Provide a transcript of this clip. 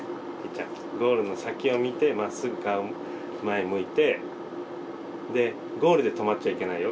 ちゃんゴールの先を見てまっすぐ顔前向いてでゴールで止まっちゃいけないよ。